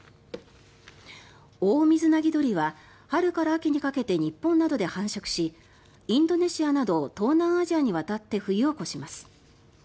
オオミズナギドリは春から秋にかけて日本などで繁殖しインドネシアなど東南アジアに渡って冬を越します。